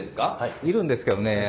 いるんですけどね